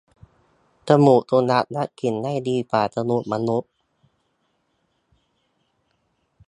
จมูกสุนัขรับกลิ่นได้ดีกว่าจมูกมนุษย์